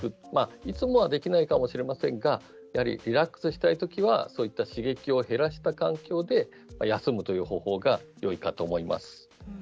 いつもはできないかもしれませんがリラックスしたい時は刺激を減らした環境で休むという方法がよいかと思います。